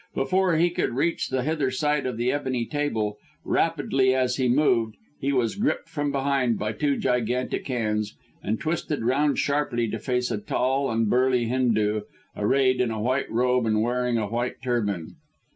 Before he could reach the hither side of the ebony table, rapidly as he moved, he was gripped from behind by two gigantic hands and twisted round sharply to face a tall and burly Hindoo arrayed in a white robe and wearing a white turban.